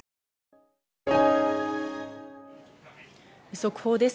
速報です。